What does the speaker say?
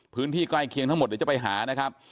ใกล้เคียงทั้งหมดเดี๋ยวจะไปหานะครับ